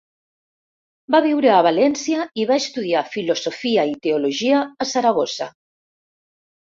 Va viure a València i va estudiar filosofia i teologia a Saragossa.